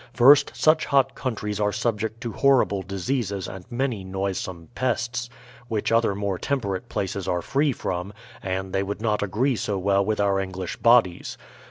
First, such hot countries are subject to horrible diseases and many noisome pests, which other more temperate places are free from, and they would not agree so well with our English bodies.